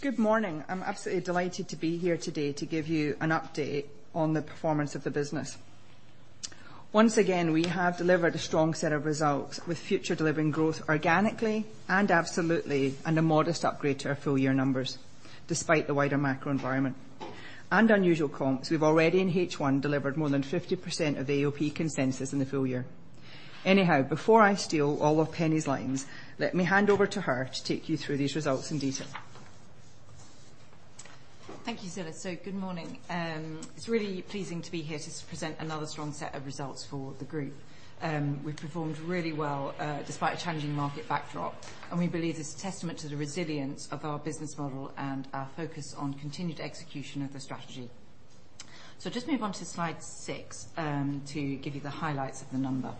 Good morning. I'm absolutely delighted to be here today to give you an update on the performance of the business. Once again, we have delivered a strong set of results with Future delivering growth organically and absolutely, and a modest upgrade to our full year numbers despite the wider macro environment. Unusual comps, we've already in H1 delivered more than 50% of the AOP consensus in the full year. Anyhow, before I steal all of Penny's lines, let me hand over to her to take you through these results in detail. Thank you, Zillah. Good morning. It's really pleasing to be here to present another strong set of results for the group. We've performed really well, despite a challenging market backdrop, and we believe it's a testament to the resilience of our business model and our focus on continued execution of the strategy. Just move on to slide six, to give you the highlights of the numbers.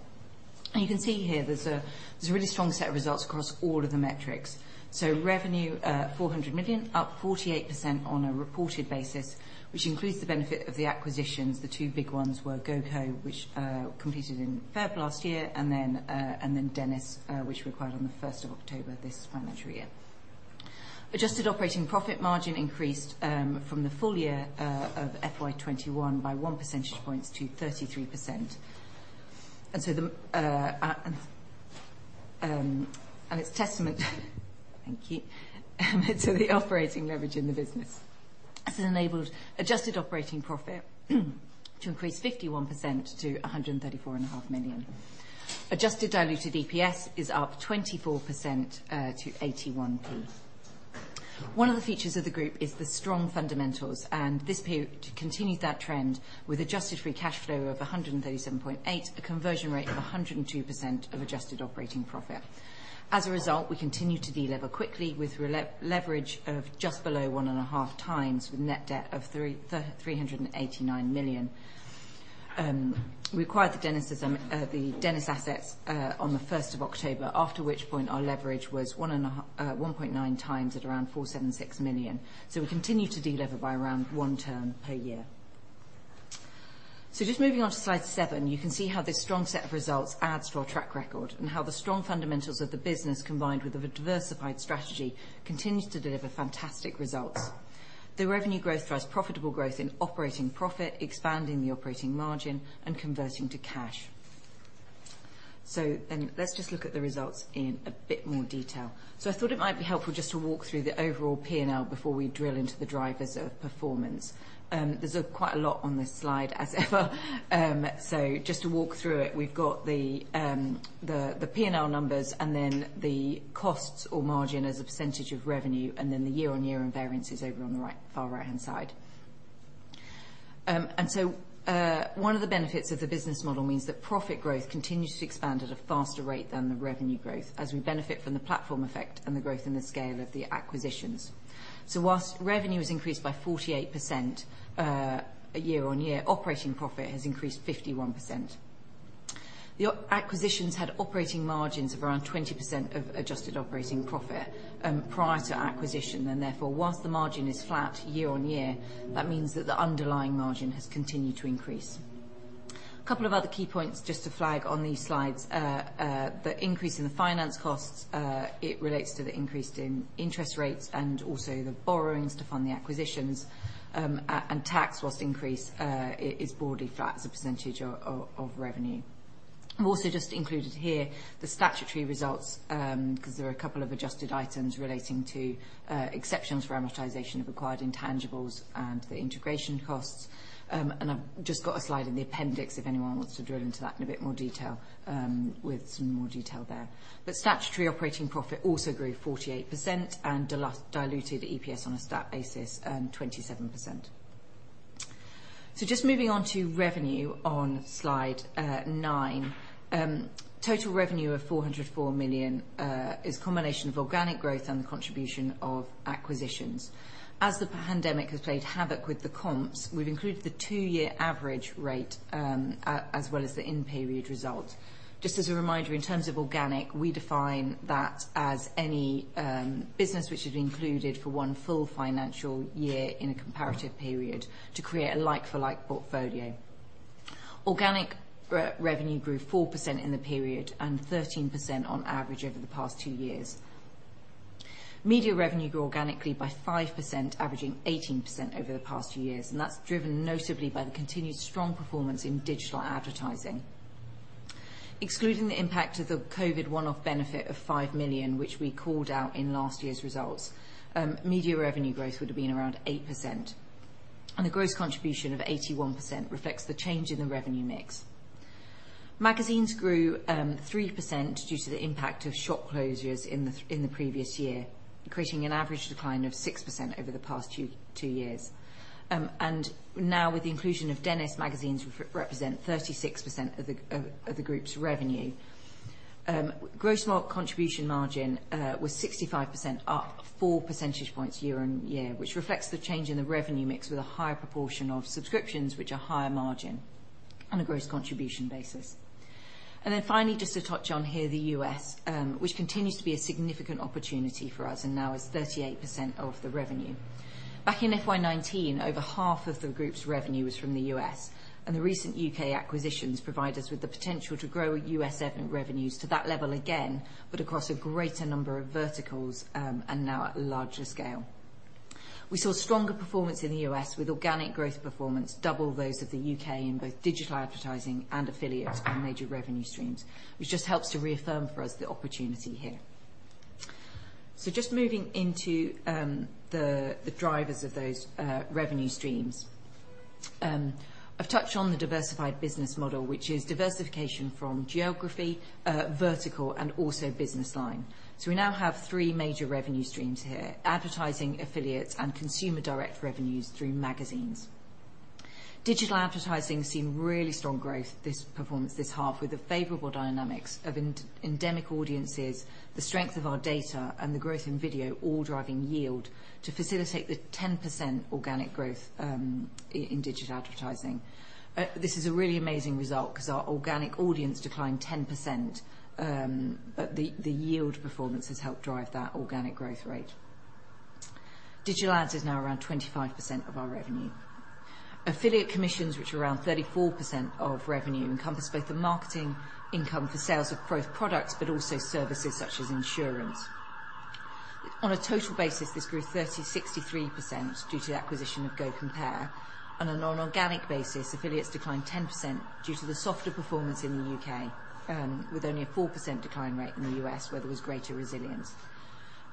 You can see here there's a really strong set of results across all of the metrics. Revenue 400 million, up 48% on a reported basis, which includes the benefit of the acquisitions. The two big ones were GoCompare, which completed in February last year, and then Dennis Publishing, which we acquired on the first of October this financial year. Adjusted operating profit margin increased from the full year of FY 2021 by 1 percentage point to 33%. It's a testament to the operating leverage in the business. This enabled adjusted operating profit to increase 51% to 134.5 million. Adjusted diluted EPS is up 24% to 81p. One of the features of the group is the strong fundamentals, and this period continued that trend with adjusted free cash flow of 137.8 million, a conversion rate of 102% of adjusted operating profit. As a result, we continue to delever quickly with net leverage of just below 1.5x with net debt of 389 million. We acquired the Dennis assets on the first of October, after which point our leverage was 1.9x at around 476 million. We continue to delever by around one turn per year. Just moving on to slide seven, you can see how this strong set of results adds to our track record and how the strong fundamentals of the business, combined with a diversified strategy, continues to deliver fantastic results. The revenue growth drives profitable growth in operating profit, expanding the operating margin and converting to cash. Let's just look at the results in a bit more detail. I thought it might be helpful just to walk through the overall P&L before we drill into the drivers of performance. There's quite a lot on this slide as ever. Just to walk through it, we've got the P&L numbers and then the costs or margin as a percentage of revenue, and then the year-on-year and variance is over on the right, far right-hand side. One of the benefits of the business model means that profit growth continues to expand at a faster rate than the revenue growth as we benefit from the platform effect and the growth in the scale of the acquisitions. Whilst revenue has increased by 48%, year-on-year, operating profit has increased 51%. The acquisitions had operating margins of around 20% of adjusted operating profit prior to acquisition, and therefore, while the margin is flat year-on-year, that means that the underlying margin has continued to increase. A couple of other key points just to flag on these slides. The increase in the finance costs, it relates to the increase in interest rates and also the borrowings to fund the acquisitions. And tax while increasing is broadly flat as a percentage of revenue. I've also just included here the statutory results, 'cause there are a couple of adjusted items relating to exceptional amortization of acquired intangibles and the integration costs. I've just got a slide in the appendix if anyone wants to drill into that in a bit more detail, with some more detail there. Statutory operating profit also grew 48% and diluted EPS on a stat basis, 27%. Moving on to revenue on slide nine. Total revenue of 404 million is a combination of organic growth and the contribution of acquisitions. As the pandemic has played havoc with the comps, we've included the two-year average rate, as well as the in-period results. Just as a reminder, in terms of organic, we define that as any business which should be included for one full financial year in a comparative period to create a like-for-like portfolio. Organic revenue grew 4% in the period and 13% on average over the past two years. Media revenue grew organically by 5%, averaging 18% over the past two years, and that's driven notably by the continued strong performance in digital advertising. Excluding the impact of the COVID one-off benefit of 5 million, which we called out in last year's results, media revenue growth would have been around 8%. The gross contribution of 81% reflects the change in the revenue mix. Magazines grew 3% due to the impact of shop closures in the previous year, creating an average decline of 6% over the past two years. Now with the inclusion of Dennis magazines represent 36% of the group's revenue. Gross contribution margin was 65%, up 4% points year-on-year, which reflects the change in the revenue mix with a higher proportion of subscriptions which are higher margin on a gross contribution basis. Finally, just to touch on here, the U.S., which continues to be a significant opportunity for us and now is 38% of the revenue. Back in FY 2019, over half of the group's revenue was from the U.S., and the recent U.K. acquisitions provide us with the potential to grow U.S. ad revenues to that level again, but across a greater number of verticals, and now at a larger scale. We saw stronger performance in the U.S. with organic growth performance double those of the U.K. in both digital advertising and affiliate and mag revenue streams, which just helps to reaffirm for us the opportunity here. Just moving into the drivers of those revenue streams. I've touched on the diversified business model, which is diversification from geography, vertical and also business line. We now have three major revenue streams here, advertising, affiliates, and consumer direct revenues through magazines. Digital advertising has seen really strong growth in this half with the favorable dynamics of non-endemic audiences, the strength of our data, and the growth in video all driving yield to facilitate the 10% organic growth in digital advertising. This is a really amazing result 'cause our organic audience declined 10%, but the yield performance has helped drive that organic growth rate. Digital ads is now around 25% of our revenue. Affiliate commissions, which are around 34% of revenue, encompass both the marketing income for sales of both products but also services such as insurance. On a total basis, this grew 36.3% due to the acquisition of GoCompare. On a non-organic basis, affiliates declined 10% due to the softer performance in the UK, with only a 4% decline rate in the US where there was greater resilience.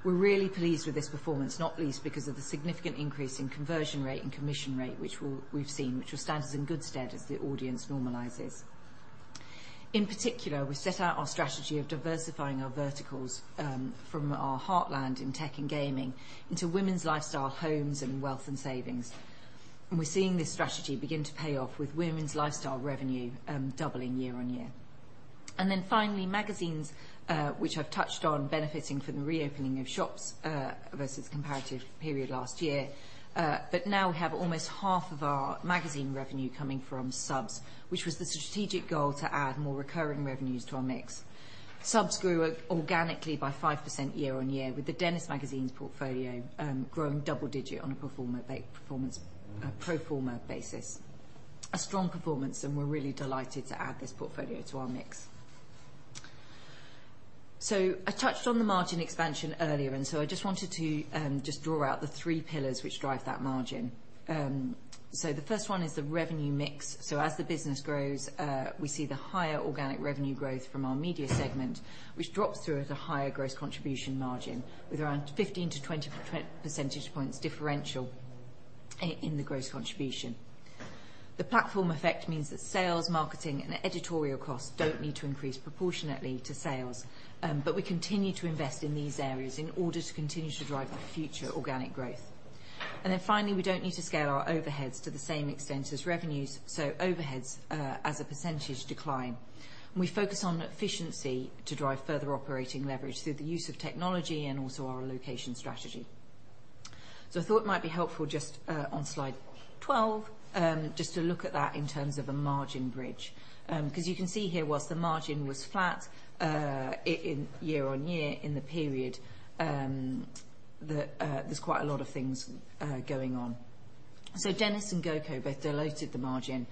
We're really pleased with this performance, not least because of the significant increase in conversion rate and commission rate, which we've seen, which will stand us in good stead as the audience normalizes. In particular, we set out our strategy of diversifying our verticals, from our heartland in tech and gaming into women's lifestyle, homes and wealth and savings. We're seeing this strategy begin to pay off with women's lifestyle revenue, doubling year-on-year. Then finally, magazines, which I've touched on benefiting from the reopening of shops, versus comparative period last year. Now we have almost half of our magazine revenue coming from subs, which was the strategic goal to add more recurring revenues to our mix. Subs grew organically by 5% year-on-year, with the Dennis Publishing portfolio growing double-digit on a pro forma basis. A strong performance, and we're really delighted to add this portfolio to our mix. I touched on the margin expansion earlier, and I just wanted to just draw out the three pillars which drive that margin. The first one is the revenue mix. As the business grows, we see the higher organic revenue growth from our media segment, which drops through at a higher gross contribution margin with around 15%-20% points differential in the gross contribution. The platform effect means that sales, marketing and editorial costs don't need to increase proportionately to sales, but we continue to invest in these areas in order to continue to drive our future organic growth. Finally, we don't need to scale our overheads to the same extent as revenues, so overheads as a percentage decline. We focus on efficiency to drive further operating leverage through the use of technology and also our location strategy. I thought it might be helpful just on slide 12 just to look at that in terms of a margin bridge. Because you can see here while the margin was flat in year-on-year in the period, there's quite a lot of things going on. Dennis Publishing and GoCompare both diluted the margin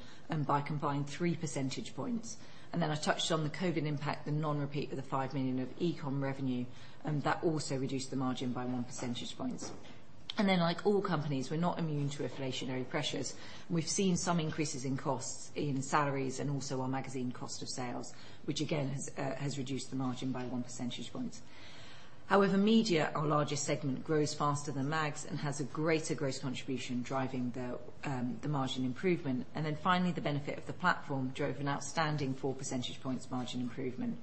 by combining 3% points. I touched on the COVID impact, the non-repeat of the 5 million of e-com revenue, and that also reduced the margin by 1% percentage points. Like all companies, we're not immune to inflationary pressures. We've seen some increases in costs in salaries and also our magazine cost of sales, which again, has reduced the margin by 1% percentage points. However, media, our largest segment, grows faster than mags and has a greater gross contribution driving the margin improvement. Finally, the benefit of the platform drove an outstanding 4% points margin improvement,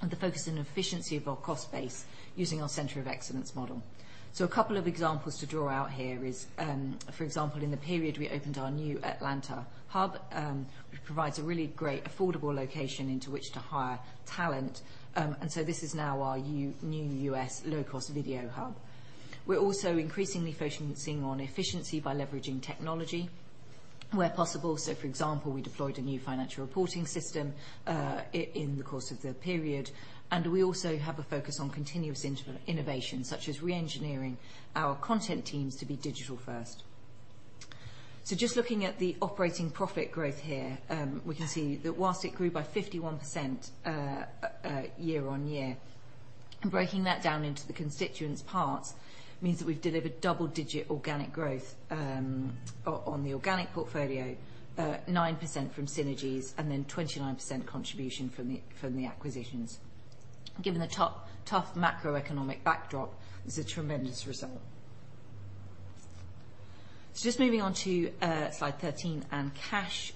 and the focus and efficiency of our cost base using our center of excellence model. A couple of examples to draw out here is, for example, in the period we opened our new Atlanta hub, which provides a really great affordable location into which to hire talent. This is now our new U.S. low-cost video hub. We're also increasingly focusing on efficiency by leveraging technology where possible. For example, we deployed a new financial reporting system in the course of the period, and we also have a focus on continuous innovation, such as re-engineering our content teams to be digital first. Just looking at the operating profit growth here, we can see that while it grew by 51%, year-on-year, breaking that down into the constituent parts means that we've delivered double-digit organic growth on the organic portfolio, 9% from synergies and then 29% contribution from the acquisitions. Given the tough macroeconomic backdrop, this is a tremendous result. Just moving on to slide 13 and cash.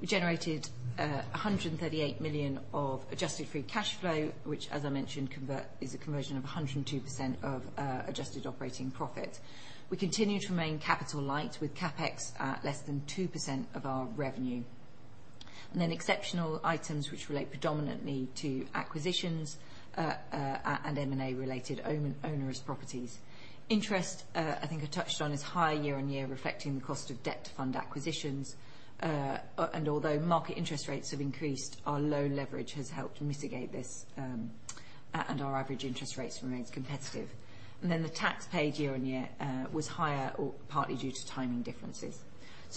We generated 138 million of adjusted free cash flow, which as I mentioned is a conversion of 102% of adjusted operating profit. We continue to remain capital light with CapEx at less than 2% of our revenue. Then exceptional items which relate predominantly to acquisitions and M&A related owner's properties. Interest, I think I touched on, is high year-over-year, reflecting the cost of debt to fund acquisitions. Although market interest rates have increased, our low leverage has helped mitigate this, and our average interest rates remains competitive. The tax paid year-over-year was higher, partly due to timing differences.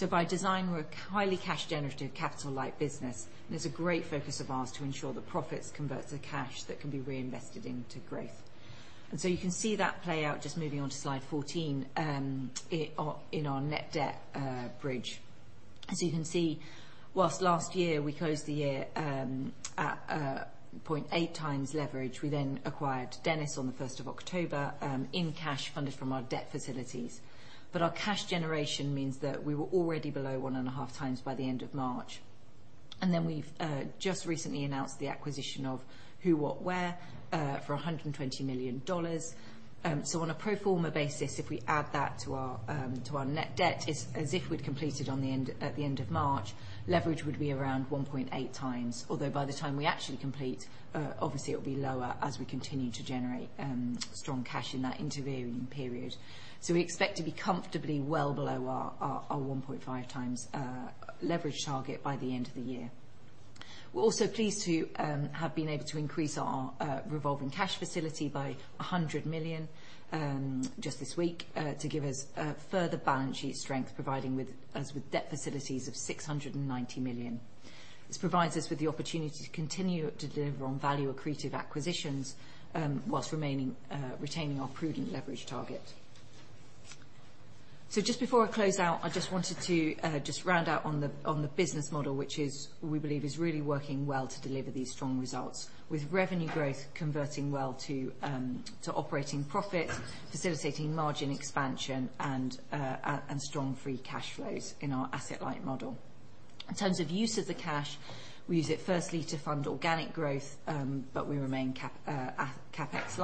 By design, we're a highly cash generative capital light business, and it's a great focus of ours to ensure that profits convert to cash that can be reinvested into growth. You can see that play out just moving on to slide 14, in our net debt bridge. As you can see, while last year we closed the year at 0.8x leverage. We then acquired Dennis Publishing on the first of October, in cash funded from our debt facilities. Our cash generation means that we were already below 1.5x by the end of March. We've just recently announced the acquisition of Who What Wear for $120 million. On a pro forma basis, if we add that to our net debt as if we'd completed at the end of March, leverage would be around 1.8x. Although by the time we actually complete, obviously it'll be lower as we continue to generate strong cash in that intervening period. We expect to be comfortably well below our 1.5x leverage target by the end of the year. We're also pleased to have been able to increase our revolving cash facility by 100 million just this week to give us further balance sheet strength, providing us with debt facilities of 690 million. This provides us with the opportunity to continue to deliver on value accretive acquisitions while retaining our prudent leverage target. Just before I close out, I just wanted to just round out on the business model, which we believe is really working well to deliver these strong results with revenue growth converting well to operating profits, facilitating margin expansion and strong free cash flows in our asset light model. In terms of use of the cash, we use it firstly to fund organic growth, but we remain CapEx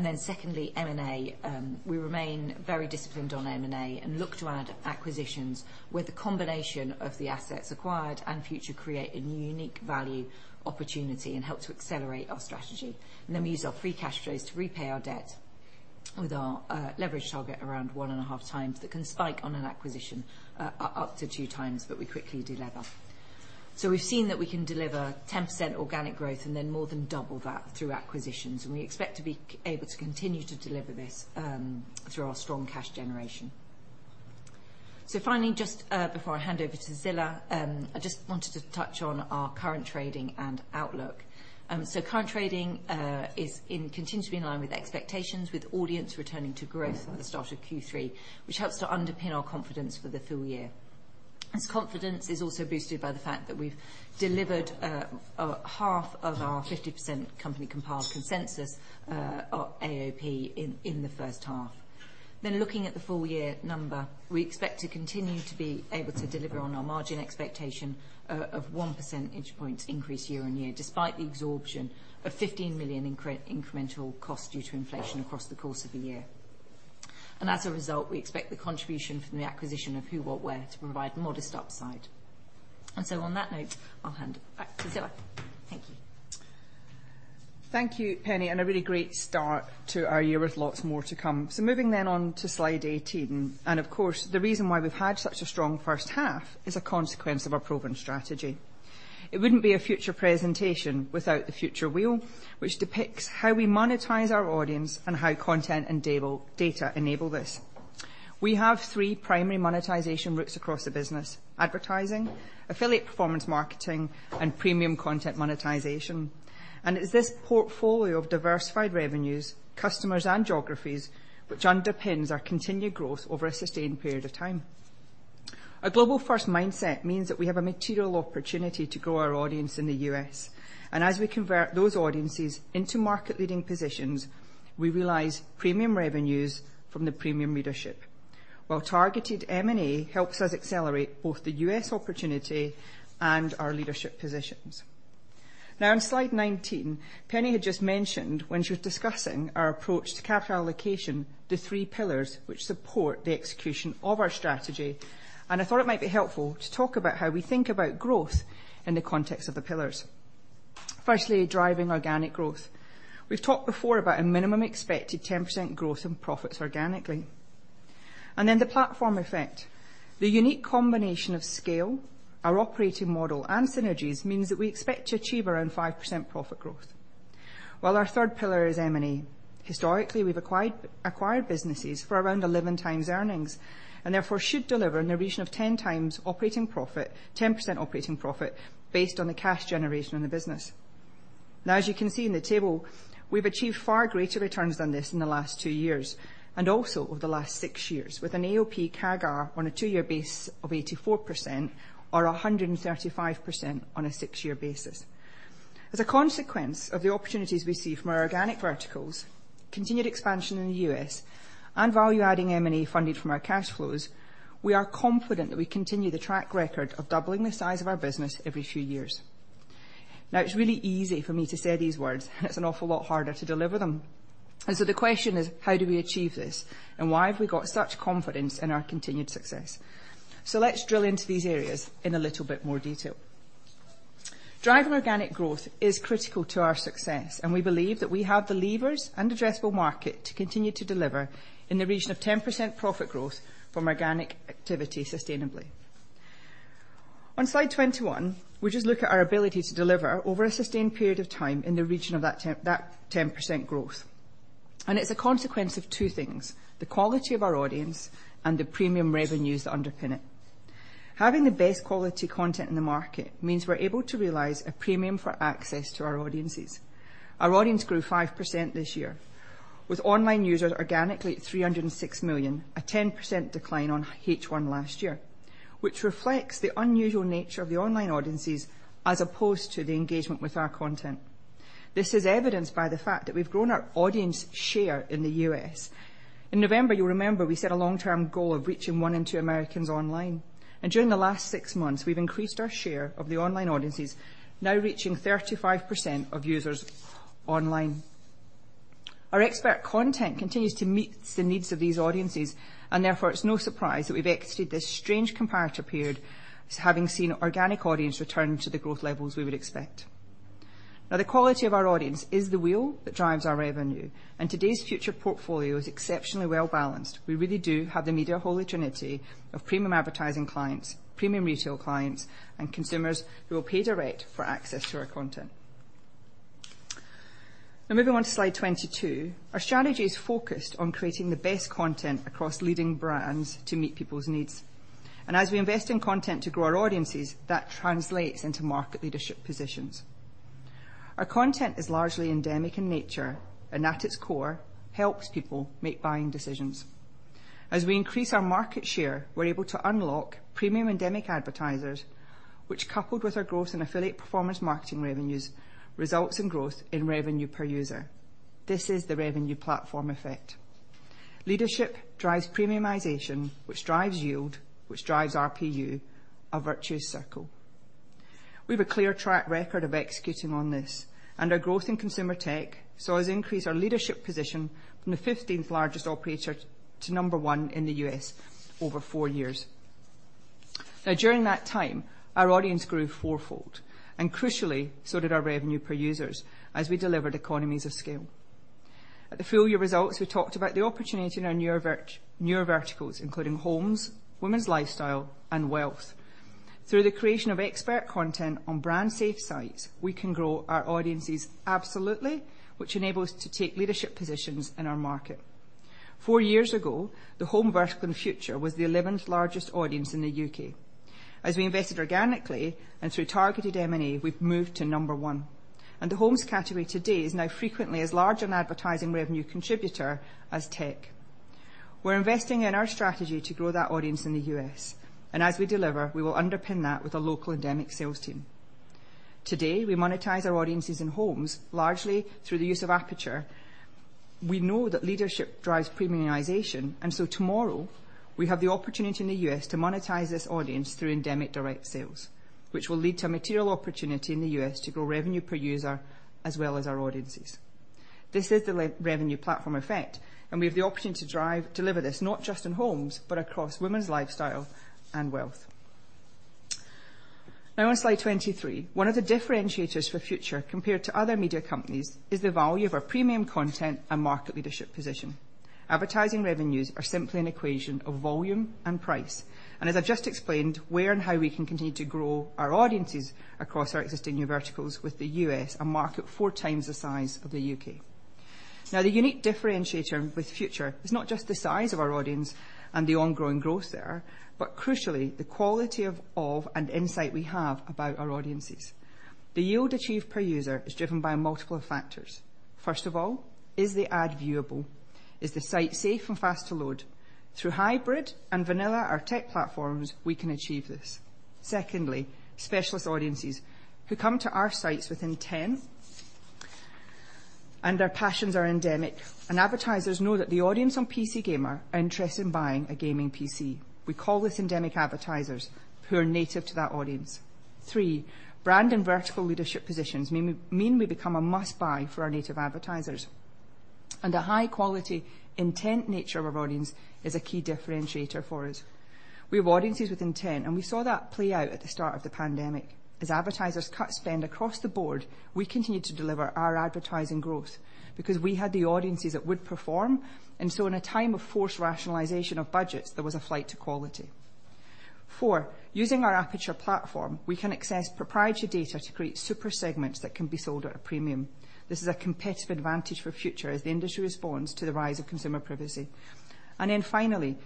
light. Secondly, M&A. We remain very disciplined on M&A and look to add acquisitions where the combination of the assets acquired and Future create a unique value opportunity and help to accelerate our strategy. We use our free cash flows to repay our debt with our leverage target around 1.5x that can spike on an acquisition up to 2x, but we quickly delever. We've seen that we can deliver 10% organic growth and then more than double that through acquisitions, and we expect to be able to continue to deliver this through our strong cash generation. Finally, just before I hand over to Zillah, I just wanted to touch on our current trading and outlook. Current trading is continuing to be in line with expectations, with audience returning to growth at the start of Q3, which helps to underpin our confidence for the full year. This confidence is also boosted by the fact that we've delivered half of our 50% company-compiled consensus AOP in the H1. Looking at the full year number, we expect to continue to be able to deliver on our margin expectation of 1 % points increase year-on-year, despite the absorption of 15 million incremental cost due to inflation across the course of the year. As a result, we expect the contribution from the acquisition of Who What Wear to provide modest upside. On that note, I'll hand back to Zillah. Thank you. Thank you Penny and a really great start to our year with lots more to come. Moving then on to slide 18. Of course, the reason why we've had such a strong H1 is a consequence of our proven strategy. It wouldn't be a Future presentation without the Future wheel, which depicts how we monetize our audience and how content and data enable this. We have three primary monetization routes across the business, advertising, affiliate performance marketing, and premium content monetization. It is this portfolio of diversified revenues, customers, and geographies which underpins our continued growth over a sustained period of time. A global first mindset means that we have a material opportunity to grow our audience in the U.S. As we convert those audiences into market leading positions, we realize premium revenues from the premium leadership. While targeted M&A helps us accelerate both the U.S. opportunity and our leadership positions. Now in slide 19, Penny had just mentioned when she was discussing our approach to capital allocation, the three pillars which support the execution of our strategy, and I thought it might be helpful to talk about how we think about growth in the context of the pillars. Firstly, driving organic growth. We've talked before about a minimum expected 10% growth in profits organically. The platform effect. The unique combination of scale, our operating model and synergies means that we expect to achieve around 5% profit growth. While our third pillar is M&A. Historically, we've acquired businesses for around 11x times earnings, and therefore should deliver in the region of 10x operating profit, 10% operating profit based on the cash generation in the business. Now, as you can see in the table, we've achieved far greater returns than this in the last two years, and also over the last six years, with an AOP CAGR on a two-year base of 84% or 135% on a six-year basis. As a consequence of the opportunities we see from our organic verticals, continued expansion in the U.S., and value-adding M&A funding from our cash flows, we are confident that we continue the track record of doubling the size of our business every few years. Now it's really easy for me to say these words, and it's an awful lot harder to deliver them. The question is, how do we achieve this? Why have we got such confidence in our continued success? Let's drill into these areas in a little bit more detail. Driving organic growth is critical to our success, and we believe that we have the levers and addressable market to continue to deliver in the region of 10% profit growth from organic activity sustainably. On slide 21, we just look at our ability to deliver over a sustained period of time in the region of that 10% growth. It's a consequence of two things, the quality of our audience and the premium revenues that underpin it. Having the best quality content in the market means we're able to realize a premium for access to our audiences. Our audience grew 5% this year, with online users organically at 306 million, a 10% decline on H1 last year, which reflects the unusual nature of the online audiences as opposed to the engagement with our content. This is evidenced by the fact that we've grown our audience share in the U.S. In November, you'll remember, we set a long-term goal of reaching one in two Americans online. During the last six months, we've increased our share of the online audiences, now reaching 35% of users online. Our expert content continues to meet the needs of these audiences, and therefore, it's no surprise that we've exited this strange comparator period as having seen organic audience return to the growth levels we would expect. Now the quality of our audience is the wheel that drives our revenue, and today's Future portfolio is exceptionally well-balanced. We really do have the media holy trinity of premium advertising clients, premium retail clients, and consumers who will pay direct for access to our content. Now moving on to slide 22. Our strategy is focused on creating the best content across leading brands to meet people's needs. As we invest in content to grow our audiences, that translates into market leadership positions. Our content is largely endemic in nature and at its core, helps people make buying decisions. As we increase our market share, we're able to unlock premium endemic advertisers, which, coupled with our growth in affiliate performance marketing revenues, results in growth in revenue per user. This is the revenue platform effect. Leadership drives premiumization, which drives yield, which drives RPU, a virtuous circle. We have a clear track record of executing on this. Our growth in consumer tech saw us increase our leadership position from the 15th-largest operator to number one in the U.S. over four years. During that time, our audience grew fourfold, and crucially, so did our revenue per users as we delivered economies of scale. At the full year results, we talked about the opportunity in our newer verticals, including homes, women's lifestyle, and wealth. Through the creation of expert content on brand safe sites, we can grow our audiences absolutely, which enable us to take leadership positions in our market. Four years ago, the home vertical in Future was the 11th-largest audience in the U.K. As we invested organically and through targeted M&A, we've moved to number one. The homes category today is now frequently as large an advertising revenue contributor as tech. We're investing in our strategy to grow that audience in the U.S. As we deliver, we will underpin that with a local endemic sales team. Today, we monetize our audiences in homes largely through the use of Aperture. We know that leadership drives premiumization, and so tomorrow we have the opportunity in the U.S. to monetize this audience through endemic direct sales, which will lead to a material opportunity in the U.S. to grow revenue per user as well as our audiences. This is the revenue platform effect, and we have the opportunity to deliver this, not just in homes, but across women's lifestyle and wealth. Now on slide 23, one of the differentiators for Future compared to other media companies is the value of our premium content and market leadership position. Advertising revenues are simply an equation of volume and price, and as I've just explained, where and how we can continue to grow our audiences across our existing new verticals with the U.S., a market four times the size of the U.K. Now the unique differentiator with Future is not just the size of our audience and the ongoing growth there, but crucially, the quality of and insight we have about our audiences. The yield achieved per user is driven by multiple factors. First of all, is the ad viewable? Is the site safe and fast to load? Through Hybrid and Vanilla, our tech platforms, we can achieve this. Secondly, specialist audiences who come to our sites within ten, and their passions are endemic, and advertisers know that the audience on PC Gamer are interested in buying a gaming PC. We call this endemic advertisers who are native to that audience. Three, brand and vertical leadership positions mean we become a must-buy for our native advertisers. The high-quality intent nature of our audience is a key differentiator for us. We have audiences with intent, and we saw that play out at the start of the pandemic. As advertisers cut spend across the board, we continued to deliver our advertising growth because we had the audiences that would perform. In a time of forced rationalization of budgets, there was a flight to quality. Fourth, using our Aperture platform, we can access proprietary data to create super segments that can be sold at a premium. This is a competitive advantage for Future as the industry responds to the rise of consumer privacy. Finally,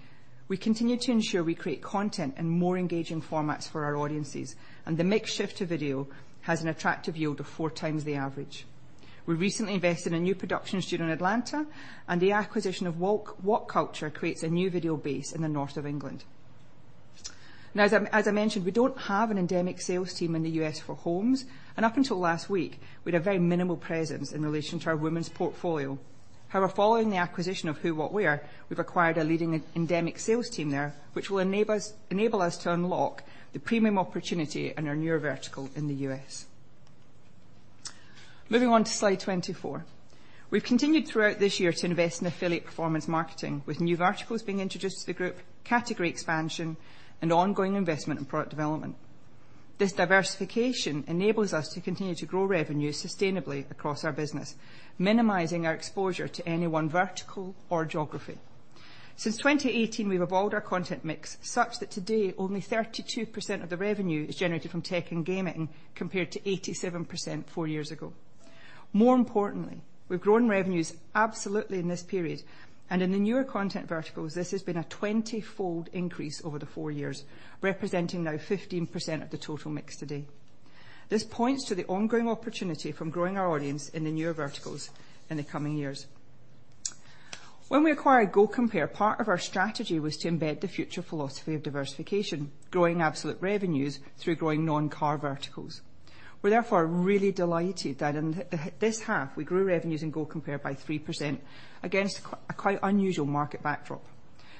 we continue to ensure we create content in more engaging formats for our audiences, and the mix shift to video has an attractive yield of four times the average. We recently invested in a new production studio in Atlanta, and the acquisition of WhatCulture creates a new video base in the north of England. Now as I mentioned, we don't have an endemic sales team in the U.S. for homes, and up until last week, we had a very minimal presence in relation to our women's portfolio. However, following the acquisition of Who What Wear, we've acquired a leading endemic sales team there, which will enable us to unlock the premium opportunity in our newer vertical in the U.S. Moving on to slide 24. We've continued throughout this year to invest in affiliate performance marketing with new verticals being introduced to the group, category expansion, and ongoing investment in product development. This diversification enables us to continue to grow revenue sustainably across our business, minimizing our exposure to any one vertical or geography. Since 2018, we've evolved our content mix such that today only 32% of the revenue is generated from tech and gaming, compared to 87% four years ago. More importantly, we've grown revenues absolutely in this period, and in the newer content verticals, this has been a 20-fold increase over the four years, representing now 15% of the total mix today. This points to the ongoing opportunity from growing our audience in the newer verticals in the coming years. When we acquired GoCompare, part of our strategy was to embed the Future philosophy of diversification, growing absolute revenues through growing non-car verticals. We're therefore really delighted that in this half, we grew revenues in GoCompare by 3% against a quite unusual market backdrop.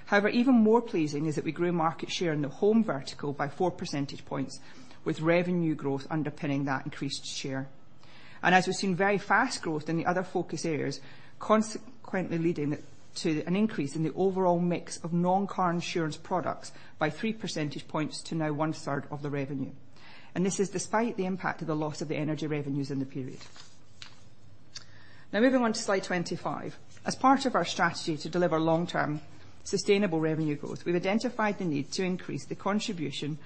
However, even more pleasing is that we grew market share in the home vertical by 4 percentage% points, with revenue growth underpinning that increased share. As we've seen very fast growth in the other focus areas, consequently leading it to an increase in the overall mix of non-car insurance products by 3% points to now 1/3 of the revenue, and this is despite the impact of the loss of the energy revenues in the period. Now moving on to slide 25. As part of our strategy to deliver long-term sustainable revenue growth, we've identified the need to increase the contribution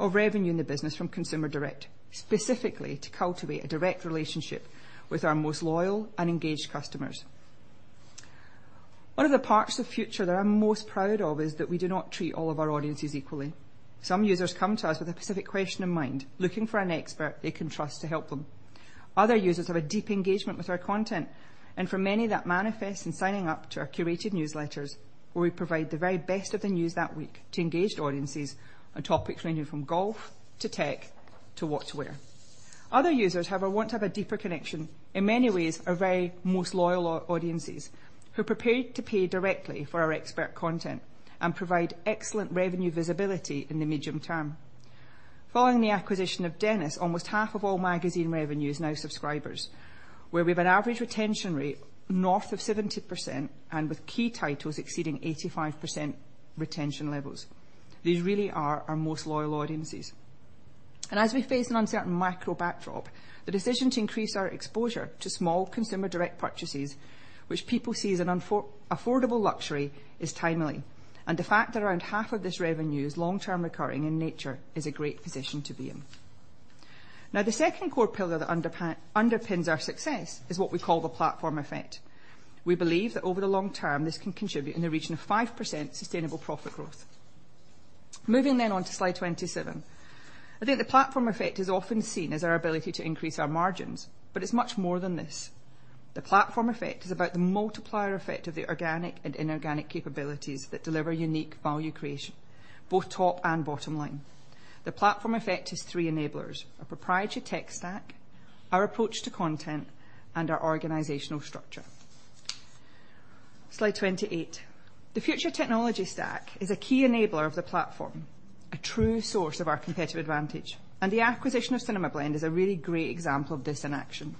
of revenue in the business from consumer direct, specifically to cultivate a direct relationship with our most loyal and engaged customers. One of the parts of Future that I'm most proud of is that we do not treat all of our audiences equally. Some users come to us with a specific question in mind, looking for an expert they can trust to help them. Other users have a deep engagement with our content, and for many that manifests in signing up to our curated newsletters, where we provide the very best of the news that week to engaged audiences on topics ranging from golf to tech to what to wear. Other users, however, want to have a deeper connection, in many ways, our very most loyal audiences who are prepared to pay directly for our expert content and provide excellent revenue visibility in the medium term. Following the acquisition of Dennis, almost half of all magazine revenue is now subscribers, where we have an average retention rate north of 70% and with key titles exceeding 85% retention levels. These really are our most loyal audiences. As we face an uncertain macro backdrop, the decision to increase our exposure to small consumer direct purchases, which people see as an affordable luxury, is timely. The fact that around half of this revenue is long-term recurring in nature is a great position to be in. Now, the second core pillar that underpins our success is what we call the platform effect. We believe that over the long term, this can contribute in the region of 5% sustainable profit growth. Moving on to slide 27. I think the platform effect is often seen as our ability to increase our margins, but it's much more than this. The platform effect is about the multiplier effect of the organic and inorganic capabilities that deliver unique value creation, both top and bottom line. The platform effect has three enablers: a proprietary tech stack, our approach to content, and our organizational structure. Slide 28. The Future technology stack is a key enabler of the platform, a true source of our competitive advantage, and the acquisition of CinemaBlend is a really great example of this in action.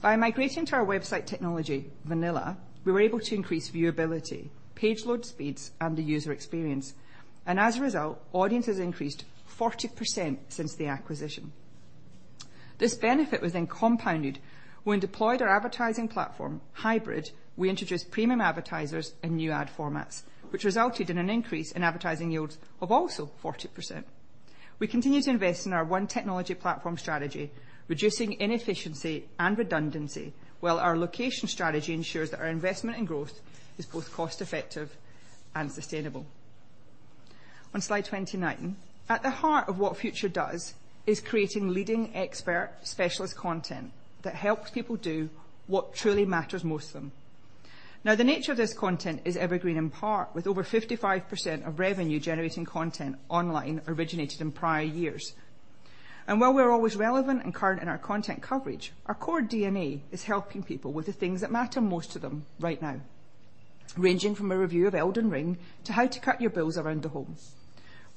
By migrating to our website technology, Vanilla, we were able to increase viewability, page load speeds, and the user experience, and as a result, audience has increased 40% since the acquisition. This benefit was then compounded when deployed our advertising platform, Hybrid. We introduced premium advertisers and new ad formats, which resulted in an increase in advertising yields of also 40%. We continue to invest in our one technology platform strategy, reducing inefficiency and redundancy, while our location strategy ensures that our investment in growth is both cost-effective and sustainable. On slide 29. At the heart of what Future does is creating leading expert specialist content that helps people do what truly matters most to them. Now, the nature of this content is evergreen in part, with over 55% of revenue generating content online originated in prior years. While we are always relevant and current in our content coverage, our core DNA is helping people with the things that matter most to them right now, ranging from a review of Elden Ring to how to cut your bills around the home.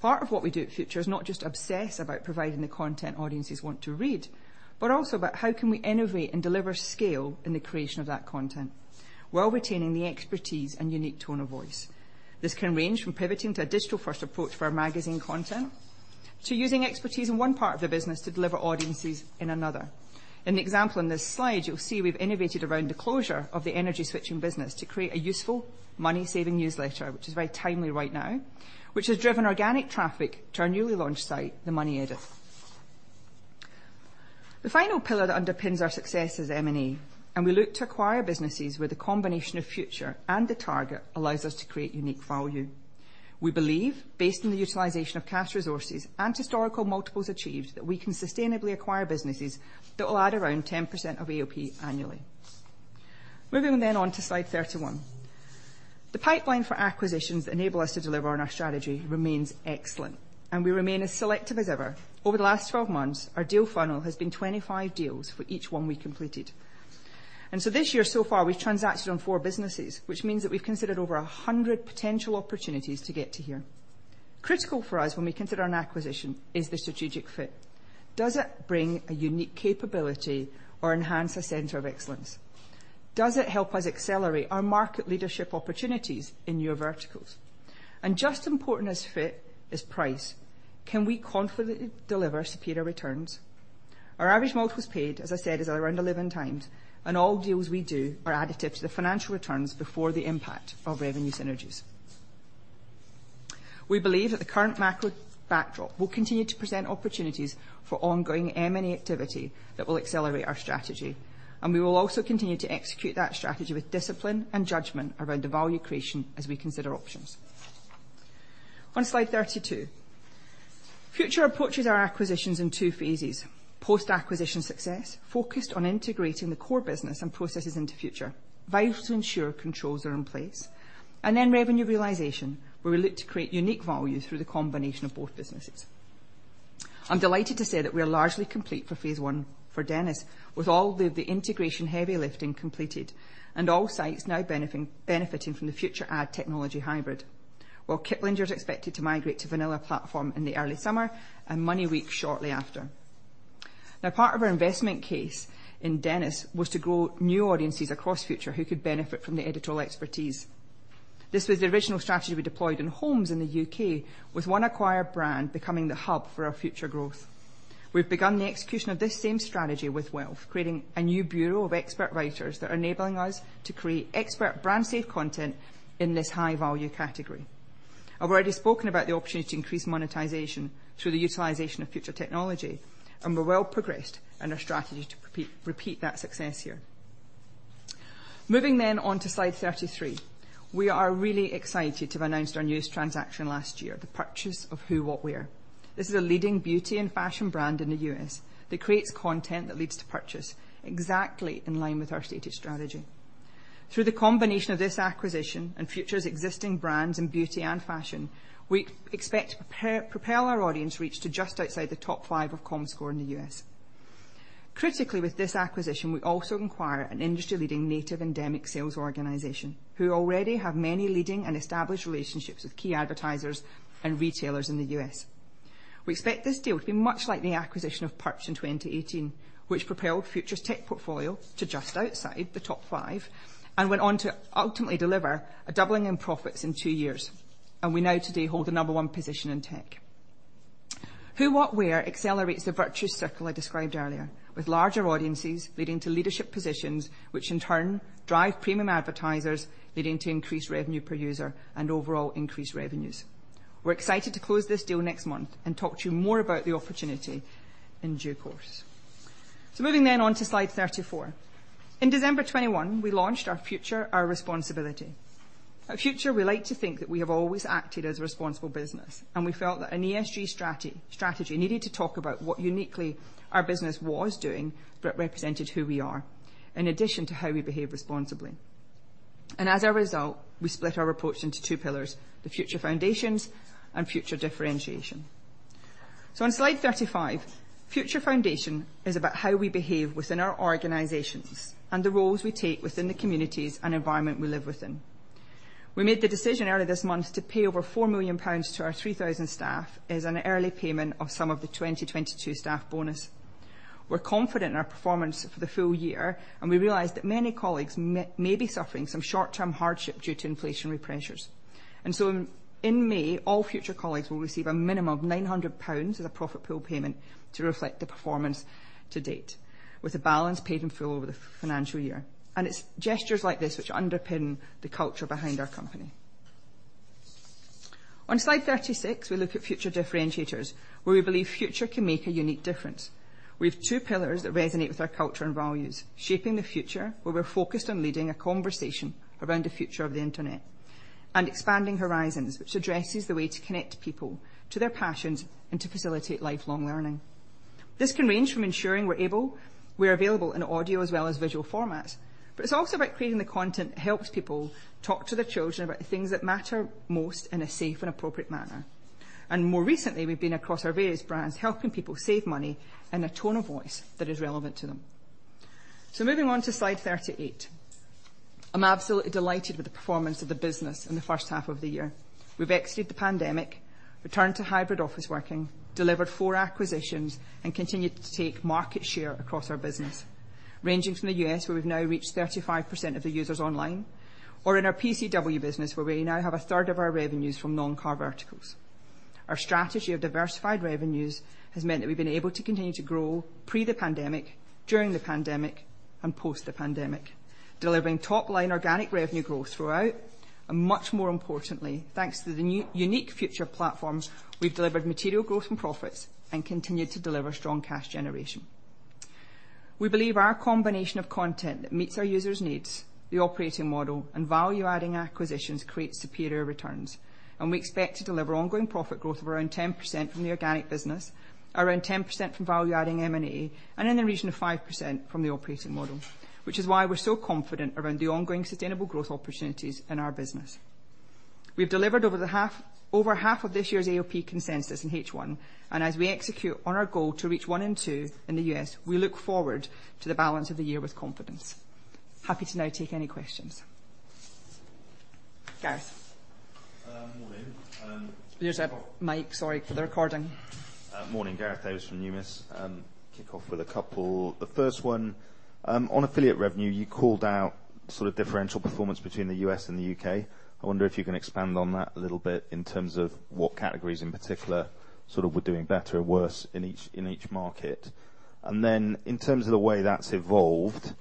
Part of what we do at Future is not just obsess about providing the content audiences want to read, but also about how can we innovate and deliver scale in the creation of that content while retaining the expertise and unique tone of voice. This can range from pivoting to a digital-first approach for our magazine content to using expertise in one part of the business to deliver audiences in another. In the example in this slide, you'll see we've innovated around the closure of the energy switching business to create a useful money-saving newsletter, which is very timely right now, which has driven organic traffic to our newly launched site, The Money Edit. The final pillar that underpins our success is M&A, and we look to acquire businesses where the combination of Future and the target allows us to create unique value. We believe, based on the utilization of cash resources and historical multiples achieved, that we can sustainably acquire businesses that will add around 10% of AOP annually. Moving on to slide 31. The pipeline for acquisitions enable us to deliver on our strategy remains excellent, and we remain as selective as ever. Over the last 12 months, our deal funnel has been 25 deals for each one we completed. This year so far, we've transacted on four businesses, which means that we've considered over 100 potential opportunities to get to here. Critical for us when we consider an acquisition is the strategic fit. Does it bring a unique capability or enhance a center of excellence? Does it help us accelerate our market leadership opportunities in new verticals? Just as important as fit is price. Can we confidently deliver superior returns? Our average multiples paid, as I said, is around 11x, and all deals we do are additive to the financial returns before the impact of revenue synergies. We believe that the current macro backdrop will continue to present opportunities for ongoing M&A activity that will accelerate our strategy, and we will also continue to execute that strategy with discipline and judgment around the value creation as we consider options. On slide 32, Future approaches our acquisitions in two phases. Post-acquisition success, focused on integrating the core business and processes into Future, vital to ensure controls are in place. Then revenue realization, where we look to create unique value through the combination of both businesses. I'm delighted to say that we are largely complete for phase one for Dennis, with all the integration heavy lifting completed and all sites now benefiting from the Future ad technology Hybrid, while Kiplinger is expected to migrate to Vanilla platform in the early summer and MoneyWeek shortly after. Now, part of our investment case in Dennis Publishing was to grow new audiences across Future who could benefit from the editorial expertise. This was the original strategy we deployed in homes in the U.K., with one acquired brand becoming the hub for our future growth. We've begun the execution of this same strategy with Wealth, creating a new bureau of expert writers that are enabling us to create expert brand-safe content in this high-value category. I've already spoken about the opportunity to increase monetization through the utilization of Future technology, and we're well progressed in our strategy to repeat that success here. Moving on to slide 33. We are really excited to have announced our newest transaction last year, the purchase of Who What Wear. This is a leading beauty and fashion brand in the U.S. that creates content that leads to purchase exactly in line with our stated strategy. Through the combination of this acquisition and Future's existing brands in beauty and fashion, we expect to propel our audience reach to just outside the top five of Comscore in the U.S. Critically, with this acquisition, we also acquire an industry-leading native endemic sales organization who already have many leading and established relationships with key advertisers and retailers in the U.S. We expect this deal to be much like the acquisition of Purch in 2018, which propelled Future's tech portfolio to just outside the top five and went on to ultimately deliver a doubling in profits in two years. We now today hold the number one position in tech. Who What Wear accelerates the virtuous circle I described earlier, with larger audiences leading to leadership positions, which in turn drive premium advertisers leading to increased revenue per user and overall increased revenues. We're excited to close this deal next month and talk to you more about the opportunity in due course. Moving on to slide 34. In December 2021, we launched Our Future, Our Responsibility. At Future, we like to think that we have always acted as a responsible business, and we felt that an ESG strategy needed to talk about what uniquely our business was doing that represented who we are, in addition to how we behave responsibly. As a result, we split our approach into two pillars, the Future Foundations and Future Differentiation. On slide 35, Future Foundation is about how we behave within our organizations and the roles we take within the communities and environment we live within. We made the decision earlier this month to pay over 4 million pounds to our 3,000 staff as an early payment of some of the 2022 staff bonus. We're confident in our performance for the full year, and we realized that many colleagues may be suffering some short-term hardship due to inflationary pressures. In May, all Future colleagues will receive a minimum of 900 pounds as a profit pool payment to reflect the performance to date, with the balance paid in full over the financial year. It's gestures like this which underpin the culture behind our company. On slide 36, we look at Future Differentiation, where we believe Future can make a unique difference. We have two pillars that resonate with our culture and values, shaping the Future, where we're focused on leading a conversation around the future of the Internet, and expanding horizons, which addresses the way to connect people to their passions and to facilitate lifelong learning. This can range from ensuring we're available in audio as well as visual formats, but it's also about creating the content that helps people talk to their children about the things that matter most in a safe and appropriate manner. More recently, we've been across our various brands, helping people save money in a tone of voice that is relevant to them. Moving on to slide 38. I'm absolutely delighted with the performance of the business in the first half of the year. We've exited the pandemic, returned to hybrid office working, delivered four acquisitions, and continued to take market share across our business, ranging from the U.S., where we've now reached 35% of the users online, or in our PCW business, where we now have 1/3 of our revenues from non-car verticals. Our strategy of diversified revenues has meant that we've been able to continue to grow pre the pandemic, during the pandemic, and post the pandemic, delivering top-line organic revenue growth throughout. Much more importantly, thanks to the new unique Future platforms, we've delivered material growth and profits and continued to deliver strong cash generation. We believe our combination of content that meets our users' needs, the operating model, and value-adding acquisitions create superior returns. We expect to deliver ongoing profit growth of around 10% from the organic business, around 10% from value-adding M&A, and in the region of 5% from the operating model, which is why we're so confident around the ongoing sustainable growth opportunities in our business. We've delivered over half of this year's AOP consensus in H1, and as we execute on our goal to reach one and two in the U.S., we look forward to the balance of the year with confidence. Happy to now take any questions. Gareth. Morning. There's a mic, sorry, for the recording. Morning. Gareth Davies from Numis. Kick off with a couple. The first one, on affiliate revenue, you called out sort of differential performance between the U.S and the U.K. I wonder if you can expand on that a little bit in terms of what categories in particular sort of were doing better or worse in each market. In terms of the way that's evolved,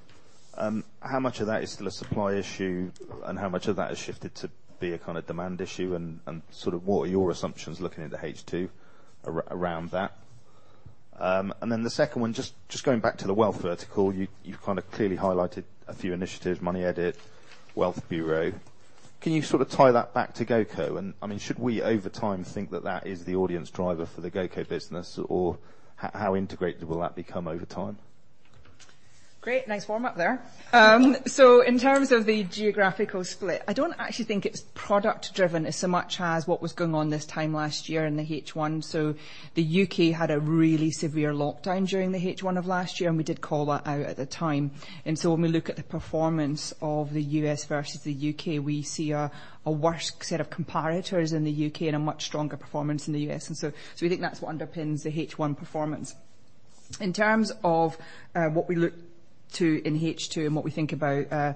how much of that is still a supply issue and how much of that has shifted to be a kinda demand issue and sort of what are your assumptions looking into H2 around that? Then the second one, just going back to the wealth vertical. You've kinda clearly highlighted a few initiatives, The Money Edit, Wealth Bureau. Can you sort of tie that back to GoCompare? I mean, should we over time think that that is the udience driver for the GoCo business or how integrated will that become over time? Great. Nice warm-up there. In terms of the geographical split, I don't actually think it's so much product driven as what was going on this time last year in the H1. The U.K. had a really severe lockdown during the H1 of last year, and we did call that out at the time. When we look at the performance of the U.S. versus the U.K., we see a worse set of comparators in the U.K. and a much stronger performance in the U.S. We think that's what underpins the H1 performance. In terms of what we look to in H2 and what we think about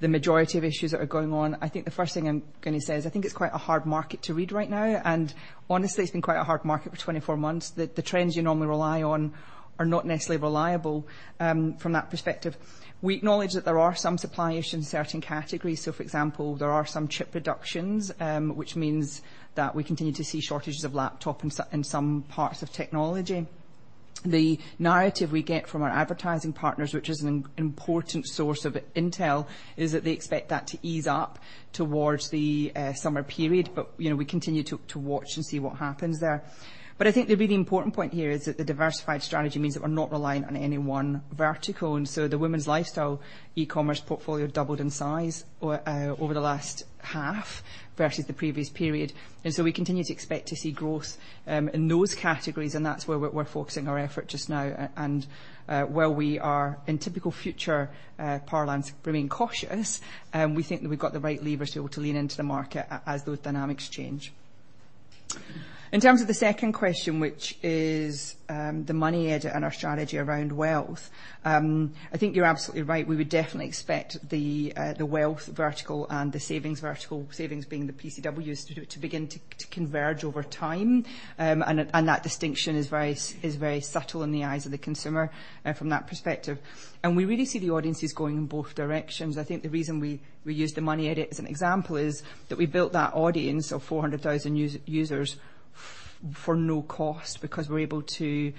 the majority of issues that are going on, I think the first thing I'm gonna say is I think it's quite a hard market to read right now, and honestly, it's been quite a hard market for 24 months. The trends you normally rely on are not necessarily reliable from that perspective. We acknowledge that there are some supply issues in certain categories. For example, there are some chip reductions, which means that we continue to see shortages of laptops in some parts of technology. The narrative we get from our advertising partners, which is an important source of intel, is that they expect that to ease up towards the summer period. You know, we continue to watch and see what happens there. I think the really important point here is that the diversified strategy means that we're not reliant on any one vertical, and so the women's lifestyle e-commerce portfolio doubled in size over the last half versus the previous period. We continue to expect to see growth in those categories, and that's where we're focusing our effort just now. While we are in typical Future parlance, remain cautious, we think that we've got the right levers to be able to lean into the market as those dynamics change. In terms of the second question, which is the Money Edit and our strategy around wealth, I think you're absolutely right. We would definitely expect the wealth vertical and the savings vertical, savings being the PCWs, to begin to converge over time. That distinction is very subtle in the eyes of the consumer, from that perspective. We really see the audiences going in both directions. I think the reason we use The Money Edit as an example is that we built that audience of 400,000 U.S. users for no cost because we're able to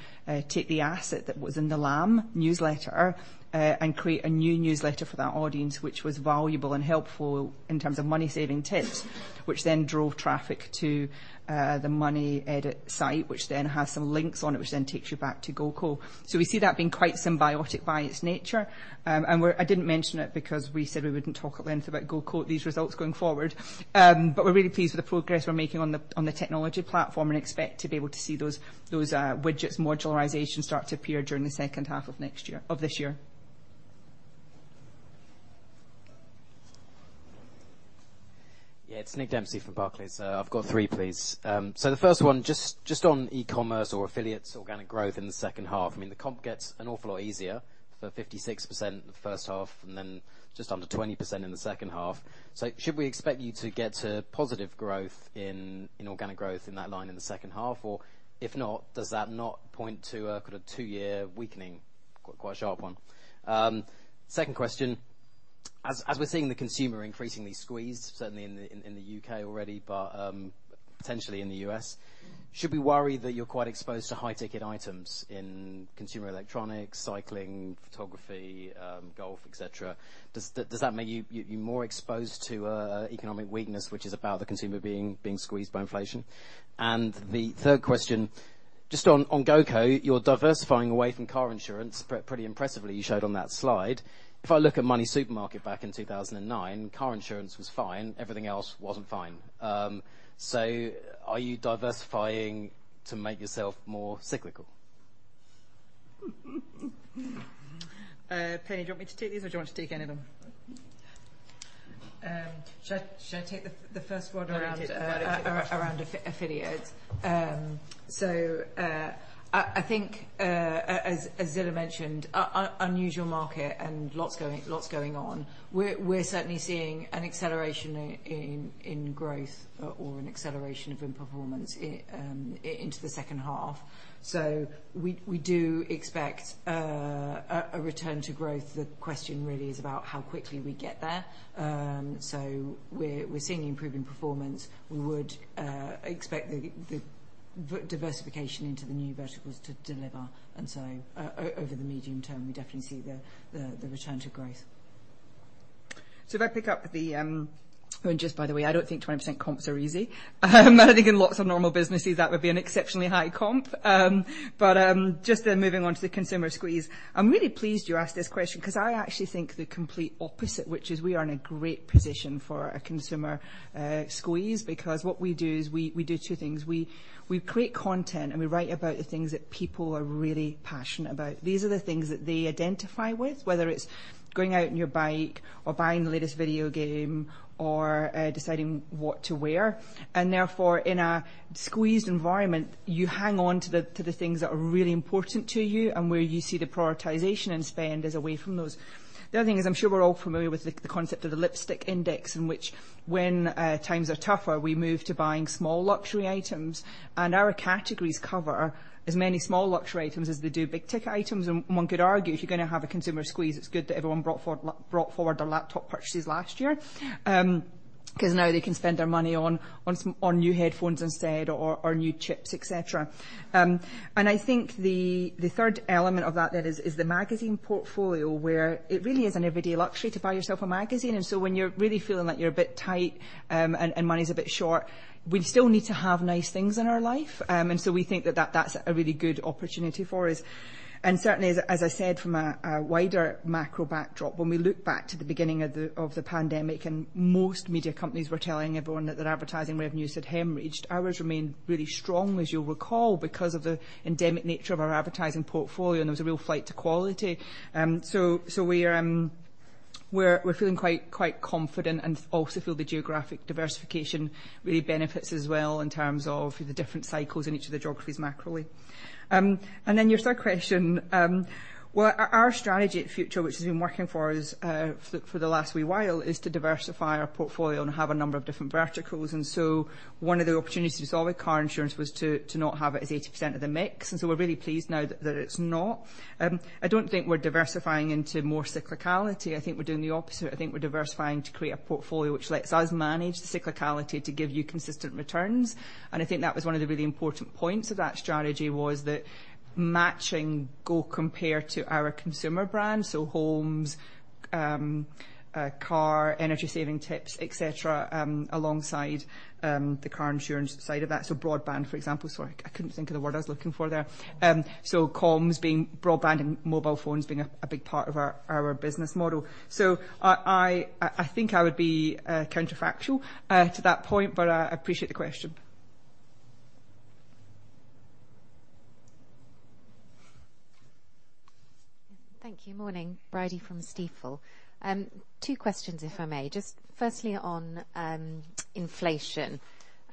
take the asset that was in the LAM newsletter and create a new newsletter for that audience which was valuable and helpful in terms of money-saving tips, which then drove traffic to the The Money Edit site, which then has some links on it, which then takes you back to GoCompare. We see that being quite symbiotic by its nature. I didn't mention it because we said we wouldn't talk at length about GoCompare these results going forward. We're really pleased with the progress we're making on the technology platform and expect to be able to see those widgets modularization start to appear during the H2 of this year. Yeah. It's Nick Dempsey from Barclays. I've got three, please. The first one, just on e-commerce or affiliates, organic growth in the H2. I mean, the comp gets an awful lot easier for 56% in the H1 and then just under 20% in the H2. Should we expect you to get to positive growth in organic growth in that line in the H2? Or if not, does that not point to a kind of two-year weakening? Quite a sharp one. Second question, as we're seeing the consumer increasingly squeezed, certainly in the U.K. Already, but potentially in the U.S., should we worry that you're quite exposed to high-ticket items in consumer electronics, cycling, photography, golf, et cetera? Does that make you more exposed to economic weakness, which is about the consumer being squeezed by inflation? The third question, just on GoCompare, you're diversifying away from car insurance pretty impressively, you showed on that slide. If I look at MoneySuperMarket back in 2009, car insurance was fine, everything else wasn't fine. Are you diversifying to make yourself more cyclical? Penny, do you want me to take these, or do you want to take any of them? Shall I take the first one around? No, you take it. I think, as Zillah mentioned, unusual market and lots going on. We're certainly seeing an acceleration in growth or an acceleration in performance into the H2. We do expect a return to growth. The question really is about how quickly we get there. We're seeing improving performance. We would expect the diversification into the new verticals to deliver. Over the medium term, we definitely see the return to growth. If I pick up the, well, just by the way, I don't think 20% comps are easy. I think in lots of normal businesses, that would be an exceptionally high comp. Just then moving on to the consumer squeeze. I'm really pleased you asked this question 'cause I actually think the complete opposite, which is we are in a great position for a consumer squeeze. Because what we do is we do two things. We create content, and we write about the things that people are really passionate about. These are the things that they identify with, whether it's going out on your bike or buying the latest video game or deciding what to wear. Therefore, in a squeezed environment, you hang on to the things that are really important to you and where you see the prioritization and spend is away from those. The other thing is, I'm sure we're all familiar with the concept of the lipstick index, in which when times are tougher, we move to buying small luxury items. Our categories cover as many small luxury items as they do big-ticket items. One could argue, if you're gonna have a consumer squeeze, it's good that everyone brought forward their laptop purchases last year, 'cause now they can spend their money on some new headphones instead or new chips, et cetera. I think the third element of that then is the magazine portfolio where it really is an everyday luxury to buy yourself a magazine. When you're really feeling like you're a bit tight, and money's a bit short, we still need to have nice things in our life. We think that that's a really good opportunity for us. Certainly as I said, from a wider macro backdrop, when we look back to the beginning of the pandemic, and most media companies were telling everyone that their advertising revenues had hemorrhaged. Ours remained really strong, as you'll recall, because of the endemic nature of our advertising portfolio, and there was a real flight to quality. We're feeling quite confident and also feel the geographic diversification really benefits as well in terms of the different cycles in each of the geographies macroeconomically. Your third question, well, our strategy at Future, which has been working for us, for the last wee while, is to diversify our portfolio and have a number of different verticals. One of the opportunities we saw with car insurance was to not have it as 80% of the mix. We're really pleased now that it's not. I don't think we're diversifying into more cyclicality. I think we're doing the opposite. I think we're diversifying to create a portfolio which lets us manage the cyclicality to give you consistent returns. I think that was one of the really important points of that strategy was that matching GoCompare to our consumer brands, so homes, car, energy-saving tips, et cetera, alongside the car insurance side of that. Broadband, for example. Sorry, I couldn't think of the word I was looking for there. Comms being broadband and mobile phones being a big part of our business model. I think I would be counterfactual to that point, but I appreciate the question. Thank you. Morning, Bridie from Stifel. Two questions if I may. Just firstly on inflation,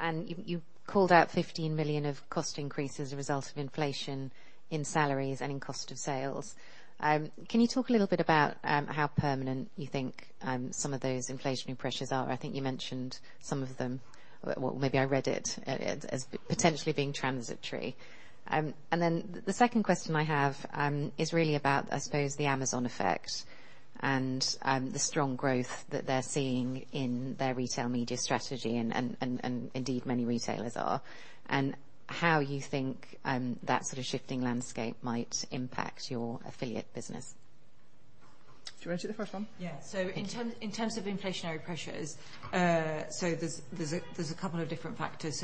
and you called out 15 million of cost increases as a result of inflation in salaries and in cost of sales. Can you talk a little bit about how permanent you think some of those inflationary pressures are? I think you mentioned some of them, or maybe I read it as potentially being transitory. The second question I have is really about, I suppose, the Amazon effect and the strong growth that they're seeing in their retail media strategy and indeed many retailers are, and how you think that sort of shifting landscape might impact your affiliate business. Do you want to do the first one? Yeah. In terms of inflationary pressures, there's a couple of different factors.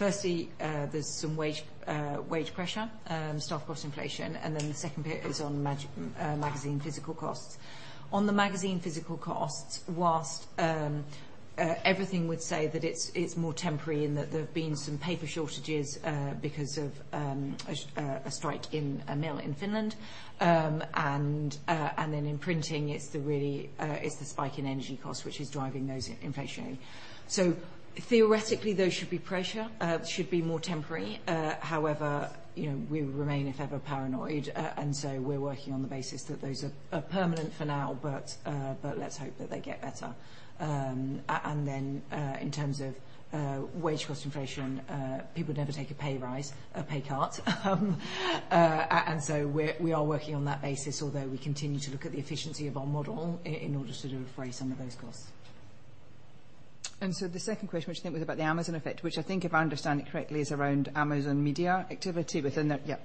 Firstly, there's some wage pressure, stock cost inflation, and then the second bit is on magazine physical costs. On the magazine physical costs, while everything would say that it's more temporary and that there have been some paper shortages because of a strike in a mill in Finland. In printing, it's the spike in energy costs which is driving those inflationary. Theoretically, those should be more temporary. However, you know, we remain ever paranoid. We're working on the basis that those are permanent for now, but let's hope that they get better. In terms of wage cost inflation, people never take a pay raise, a pay cut. We are working on that basis, although we continue to look at the efficiency of our model in order to do away with some of those costs. The second question, which I think was about the Amazon effect, which I think if I understand it correctly, is around Amazon media activity within their. Yeah.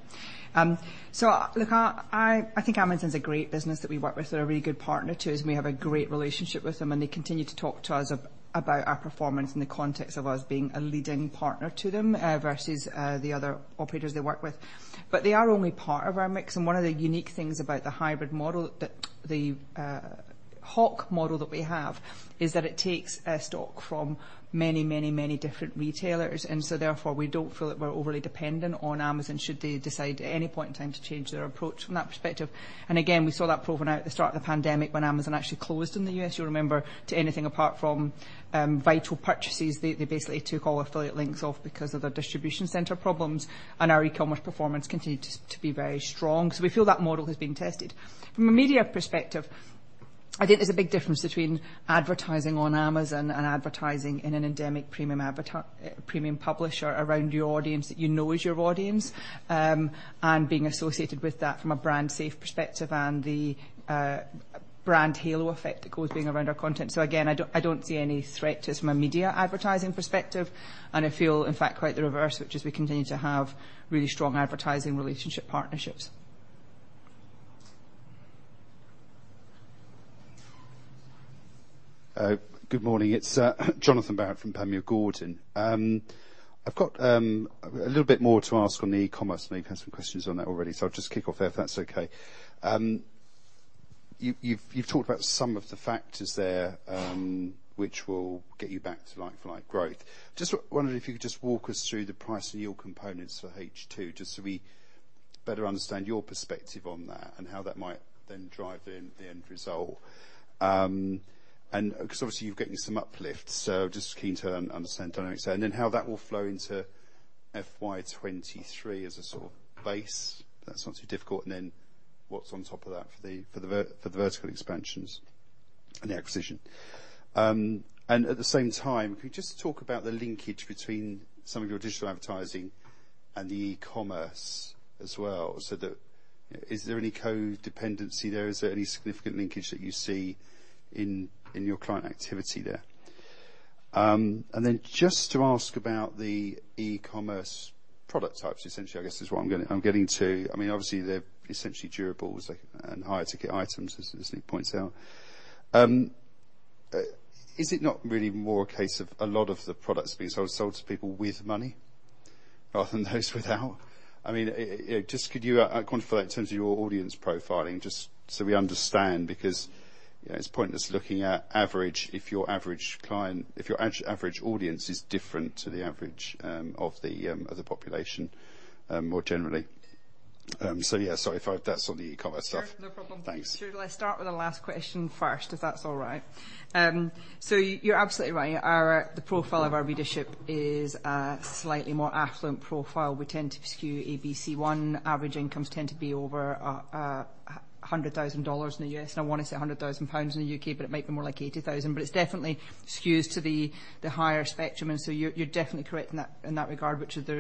Look, I think Amazon's a great business that we work with. They're a really good partner to us, and we have a great relationship with them, and they continue to talk to us about our performance in the context of us being a leading partner to them, versus the other operators they work with. But they are only part of our mix, and one of the unique things about the Hybrid model that the Hawk model that we have is that it takes a stock from many, many, many different retailers. Therefore, we don't feel that we're overly dependent on Amazon should they decide at any point in time to change their approach from that perspective. Again, we saw that proven out at the start of the pandemic when Amazon actually closed in the U.S., you'll remember, to anything apart from vital purchases. They basically took all affiliate links off because of their distribution center problems, and our e-commerce performance continued to be very strong. We feel that model has been tested. From a media perspective, I think there's a big difference between advertising on Amazon and advertising in an endemic premium publisher around your audience that you know is your audience, and being associated with that from a brand safe perspective and the brand halo effect that goes being around our content. Again, I don't see any threat to us from a media advertising perspective, and I feel, in fact, quite the reverse, which is we continue to have really strong advertising relationship partnerships. Good morning. It's Jonathan Barrett from Panmure Gordon. I've got a little bit more to ask on the e-commerce. I know you've had some questions on that already, so I'll just kick off there, if that's okay. You've talked about some of the factors there, which will get you back to like-for-like growth. Just wondering if you could just walk us through the price and yield components for H2, just so we better understand your perspective on that and how that might then drive the end result. Because obviously you're getting some uplift, so just keen to understand dynamics and then how that will flow into FY 2023 as a sort of base, if that's not too difficult. Then what's on top of that for the vertical expansions and the acquisition. At the same time, could you just talk about the linkage between some of your digital advertising and the e-commerce as well. Is there any co-dependency there? Is there any significant linkage that you see in your client activity there? Then just to ask about the e-commerce product types, essentially, I guess is what I'm getting to. I mean, obviously they're essentially durables, like, and higher ticket items, as Nick points out. Is it not really more a case of a lot of the products being sort of sold to people with money rather than those without? I mean, just could you quantify that in terms of your audience profiling, just so we understand, because, you know, it's pointless looking at average if your average audience is different to the average of the population more generally. Sorry if that's on the e-commerce stuff. Sure. No problem. Thanks. Sure. Let's start with the last question first, if that's all right. You're absolutely right. The profile of our readership is a slightly more affluent profile. We tend to skew ABC1. Average incomes tend to be over $100,000 in the U.S. I want to say 100,000 pounds in the U.K., but it might be more like 80,000. It's definitely skews to the higher spectrum. You're definitely correct in that regard, which is there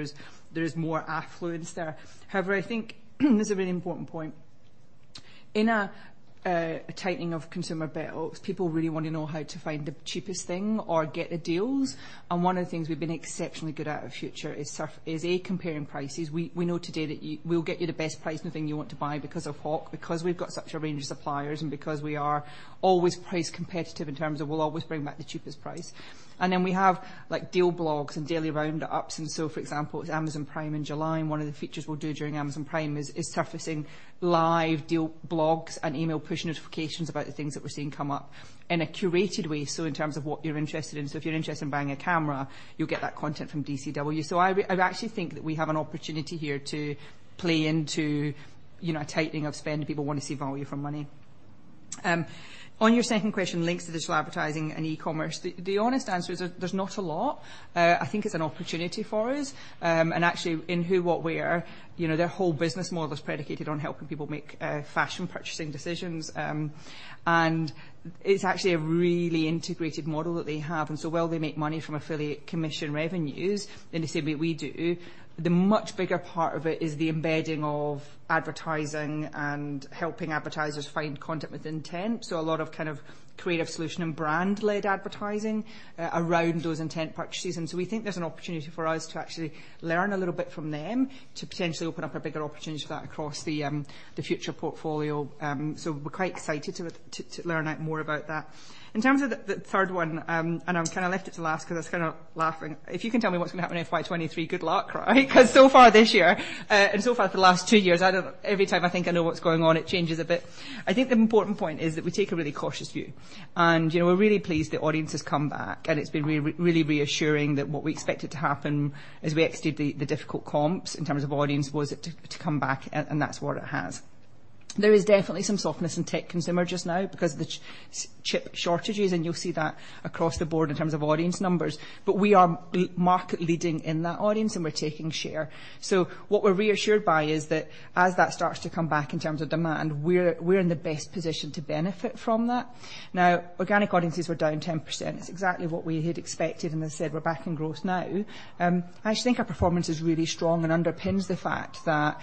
is more affluence there. However, I think this is a really important point. In a tightening of consumer belts, people really want to know how to find the cheapest thing or get the deals. One of the things we've been exceptionally good at at Future is comparing prices. We know today that we'll get you the best price on the thing you want to buy because of Hawk, because we've got such a range of suppliers, and because we are always price competitive in terms of we'll always bring back the cheapest price. We have, like, deal blogs and daily roundup. For example, it's Amazon Prime in July, and one of the features we'll do during Amazon Prime is surfacing live deal blogs and email push notifications about the things that we're seeing come up in a curated way, so in terms of what you're interested in. If you're interested in buying a camera, you'll get that content from DCW. I actually think that we have an opportunity here to play into, you know, a tightening of spend and people wanna see value for money. On your second question, links to digital advertising and e-commerce, the honest answer is there's not a lot. I think it's an opportunity for us, and actually in Who What Wear, you know, their whole business model is predicated on helping people make fashion purchasing decisions. It's actually a really integrated model that they have. While they make money from affiliate commission revenues, in the same way we do, the much bigger part of it is the embedding of advertising and helping advertisers find content with intent. A lot of kind of creative solution and brand-led advertising around those intent purchases. We think there's an opportunity for us to actually learn a little bit from them to potentially open up a bigger opportunity for that across the Future portfolio. We're quite excited to learn out more about that. In terms of the third one, I've kinda left it to last because it's kinda lagging. If you can tell me what's gonna happen in FY 2023, good luck, right? 'Cause so far this year, and so far for the last two years, every time I think I know what's going on, it changes a bit. I think the important point is that we take a really cautious view. You know, we're really pleased the audience has come back, and it's been really reassuring that what we expected to happen as we exited the difficult comps in terms of audience was for it to come back, and that's what it has. There is definitely some softness in tech consumer just now because of the chip shortages, and you'll see that across the board in terms of audience numbers. We are market leading in that audience, and we're taking share. What we're reassured by is that as that starts to come back in terms of demand, we're in the best position to benefit from that. Now, organic audiences were down 10%. It's exactly what we had expected, and as I said, we're back in growth now. I actually think our performance is really strong and underpins the fact that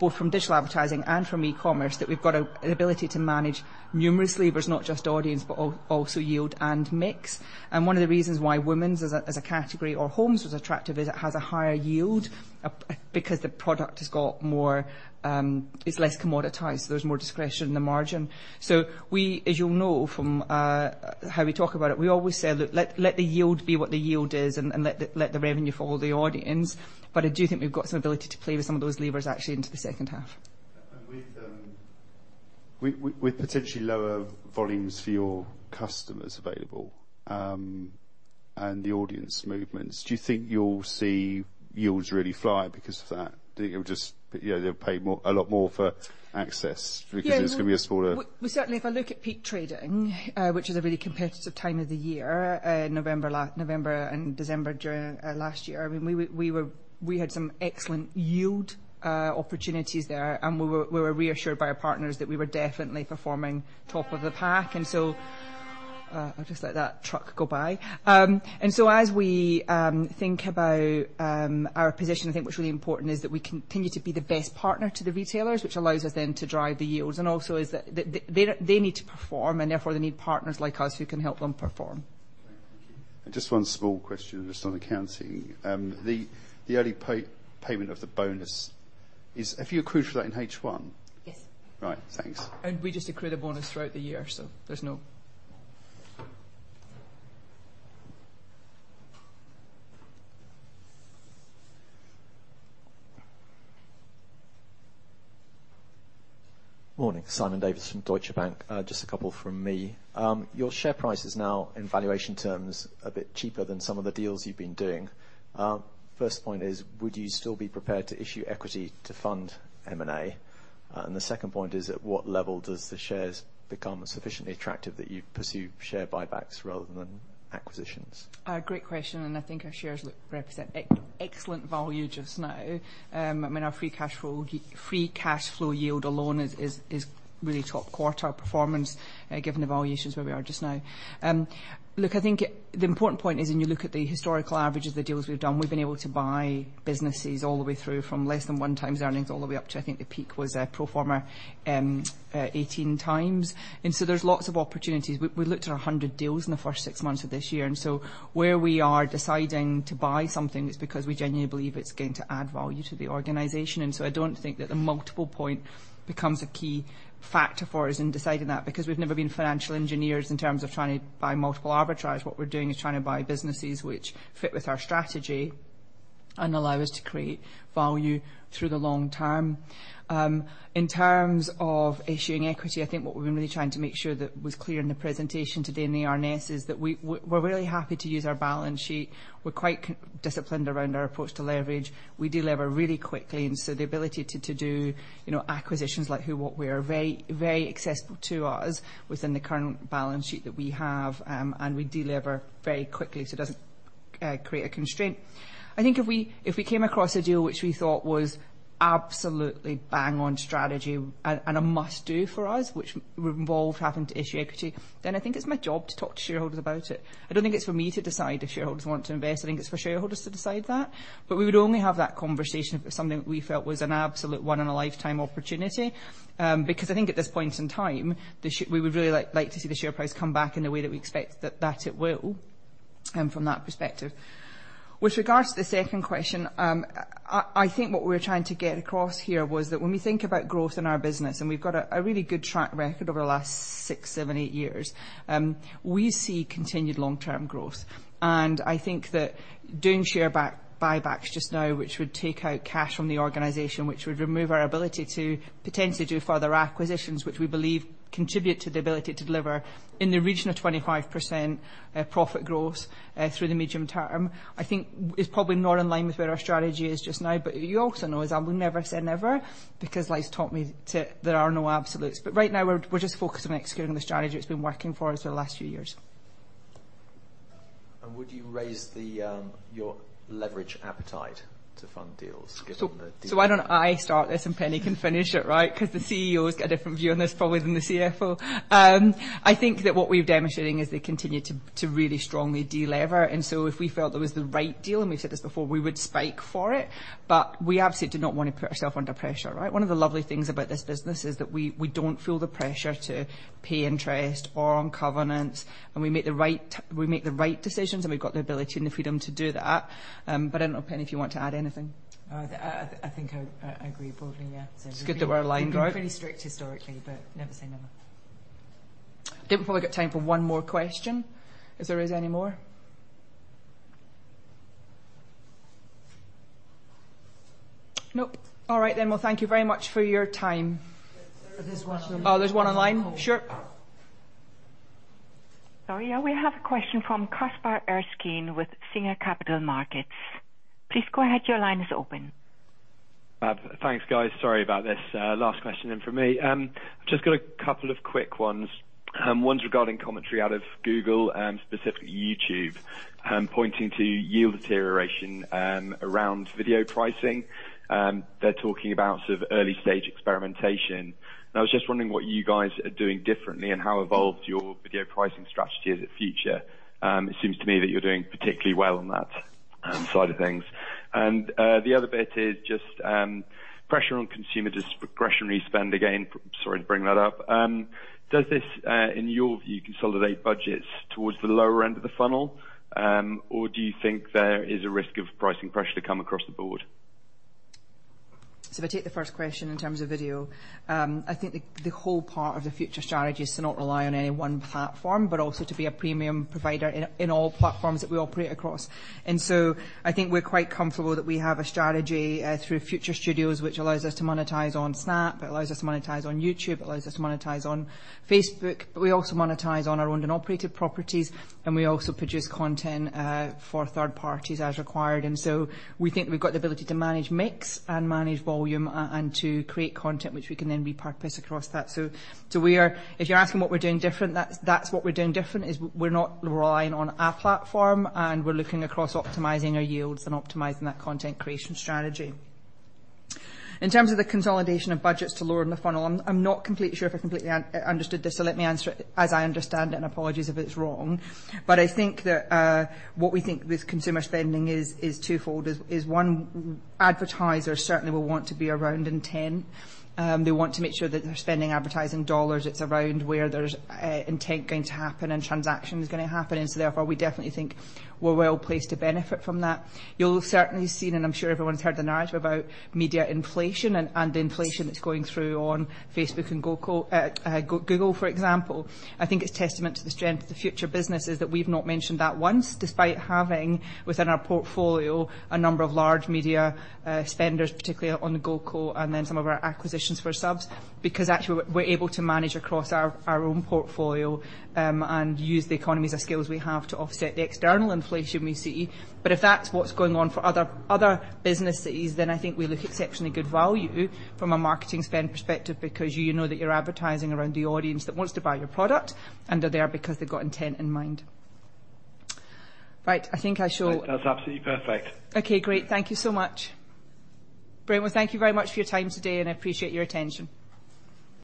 both from digital advertising and from e-commerce, we've got an ability to manage numerous levers, not just audience, but also yield and mix. One of the reasons why women's as a category or homes was attractive is that it has a higher yield, because the product is less commoditized. There's more discretion in the margin. We, as you'll know from how we talk about it, we always say, look, let the yield be what the yield is and let the revenue follow the audience. I do think we've got some ability to play with some of those levers actually into the H2. With potentially lower volumes for your customers available, and the audience movements, do you think you'll see yields really fly because of that? Do you think it'll just yeah, they'll pay more, a lot more for access because it's gonna be a smaller. Yeah. We certainly, if I look at peak trading, which is a really competitive time of the year, November and December during last year, I mean, we had some excellent yield opportunities there, and we were reassured by our partners that we were definitely performing top of the pack. I'll just let that truck go by. As we think about our position, I think what's really important is that we continue to be the best partner to the retailers, which allows us then to drive the yields and also is that they need to perform, and therefore, they need partners like us who can help them perform. Just one small question just on accounting. The early payment of the bonus. Have you accrued for that in H1? Yes. Right. Thanks. We just accrue the bonus throughout the year, so there's no. Morning. Simon Davies from Deutsche Bank. Just a couple from me. Your share price is now, in valuation terms, a bit cheaper than some of the deals you've been doing. First point is, would you still be prepared to issue equity to fund M&A? The second point is, at what level does the shares become sufficiently attractive that you'd pursue share buybacks rather than acquisitions? Great question, and I think our shares represent excellent value just now. I mean, our free cash flow yield alone is really top quartile performance, given the valuations where we are just now. Look, I think the important point is when you look at the historical average of the deals we've done, we've been able to buy businesses all the way through from less than 1x earnings all the way up to, I think the peak was pro forma 18x. There's lots of opportunities. We looked at 100 deals in the first six months of this year, where we are deciding to buy something, it's because we genuinely believe it's going to add value to the organization. I don't think that the multiple point becomes a key factor for us in deciding that, because we've never been financial engineers in terms of trying to buy multiple arbitrage. What we're doing is trying to buy businesses which fit with our strategy and allow us to create value through the long term. In terms of issuing equity, I think what we've been really trying to make sure that was clear in the presentation today in the RNS is that we're really happy to use our balance sheet. We're quite disciplined around our approach to leverage. We delever really quickly, and so the ability to do, you know, acquisitions like Who What Wear are very, very accessible to us within the current balance sheet that we have. We delever very quickly, so it doesn't create a constraint. I think if we came across a deal which we thought was absolutely bang on strategy and a must-do for us, which would involve having to issue equity, then I think it's my job to talk to shareholders about it. I don't think it's for me to decide if shareholders want to invest. I think it's for shareholders to decide that. We would only have that conversation if it's something that we felt was an absolute one-in-a-lifetime opportunity. Because I think at this point in time, we would really like to see the share price come back in a way that we expect that it will, from that perspective. With regards to the second question, I think what we're trying to get across here was that when we think about growth in our business, and we've got a really good track record over the last six, seven, eight years, we see continued long-term growth. I think that doing share buybacks just now, which would take out cash from the organization, which would remove our ability to potentially do further acquisitions, which we believe contribute to the ability to deliver in the region of 25% profit growth through the medium term, I think is probably more in line with where our strategy is just now. You also know, as I would never say never, because life's taught me there are no absolutes. Right now we're just focused on executing the strategy that's been working for us for the last few years. Would you raise the your leverage appetite to fund deals given the. Why don't I start this and Penny can finish it, right? 'Cause the CEO's got a different view on this probably than the CFO. I think that what we're demonstrating is the continued to really strongly delever, and so if we felt there was the right deal, and we've said this before, we would spike for it. But we absolutely do not wanna put ourselves under pressure, right? One of the lovely things about this business is that we don't feel the pressure to pay interest or on covenants, and we make the right decisions and we've got the ability and the freedom to do that. I don't know, Penny, if you want to add anything. I think I agree broadly, yeah. We've been. It's good that we're aligned then. We've been pretty strict historically, but never say never. I think we've probably got time for one more question if there is any more. Nope. All right then. Well, thank you very much for your time. There is one online. Oh, there's one online? Sure. Sorry, yeah, we have a question from Caspar Erskine with Singer Capital Markets. Please go ahead, your line is open. Thanks, guys. Sorry about this. Last question in from me. Just got a couple of quick ones. One's regarding commentary out of Google and specifically YouTube, pointing to yield deterioration around video pricing. They're talking about sort of early-stage experimentation, and I was just wondering what you guys are doing differently and how evolved your video pricing strategy is at Future. It seems to me that you're doing particularly well on that side of things. The other bit is just pressure on consumer discretionary spend again. Sorry to bring that up. Does this, in your view, consolidate budgets towards the lower end of the funnel? Or do you think there is a risk of pricing pressure to come across the board? If I take the first question in terms of video, I think the whole part of the Future strategy is to not rely on any one platform, but also to be a premium provider in all platforms that we operate across. I think we're quite comfortable that we have a strategy through Future Studios, which allows us to monetize on Snap, it allows us to monetize on YouTube, it allows us to monetize on Facebook, but we also monetize on our owned and operated properties, and we also produce content for third-parties as required. We think we've got the ability to manage mix and manage volume and to create content which we can then repurpose across that. If you're asking what we're doing different, that's what we're doing different, is we're not relying on a platform and we're looking across optimizing our yields and optimizing that content creation strategy. In terms of the consolidation of budgets to lower in the funnel, I'm not completely sure if I completely misunderstood this, so let me answer it as I understand it, and apologies if it's wrong. I think that what we think with consumer spending is two-fold. One, advertisers certainly will want to be around intent. They want to make sure that they're spending advertising dollars that's around where there's intent going to happen and transaction is gonna happen. Therefore, we definitely think we're well placed to benefit from that. You'll have certainly seen, and I'm sure everyone's heard the narrative about media inflation and the inflation that's going through on Facebook and Google, for example. I think it's testament to the strength of the Future businesses that we've not mentioned that once, despite having within our portfolio a number of large media spenders, particularly on Google and then some of our acquisitions for subs. Because actually we're able to manage across our own portfolio and use the economies of scale we have to offset the external inflation we see. If that's what's going on for other businesses, then I think we look exceptionally good value from a marketing spend perspective because you know that you're advertising around the audience that wants to buy your product and are there because they've got intent in mind. Right. I think I should. That's absolutely perfect. Okay, great. Thank you so much. Well, thank you very much for your time today, and I appreciate your attention.